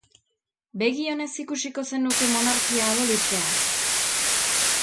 Begi onez ikusiko zenuke monarkia abolitzea?